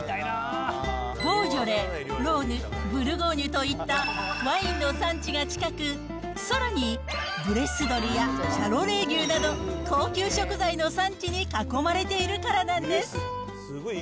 ボージョレ、ローヌ、ブルゴーニュといったワインの産地が近く、さらにブレス鶏やシャロレー牛など高級食材の産地に囲まれているからなんです。